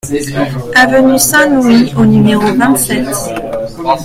Avenue Saint-Louis au numéro vingt-sept